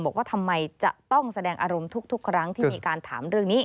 บอกว่าทำไมจะต้องแสดงอารมณ์ทุกครั้งที่มีการถามเรื่องนี้